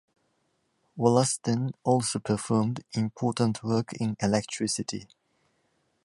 Wollaston also performed important work in electricity.